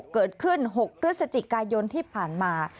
เกิดขึ้น๖พฤศจิกายนที่ผ่านมา